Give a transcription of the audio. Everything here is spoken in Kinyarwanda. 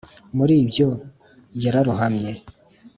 muri ibyo yararohamye,